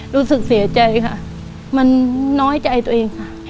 รู้สึกเสียใจค่ะมันน้อยใจตัวเองค่ะ